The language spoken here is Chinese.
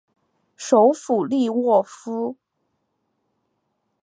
首府利沃夫。